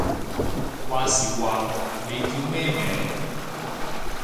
話時話，你叫咩名？